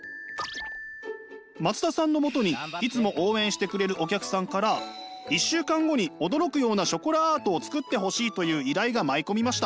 松田さんのもとにいつも応援してくれるお客さんから１週間後に驚くようなショコラアートをつくってほしいという依頼が舞い込みました。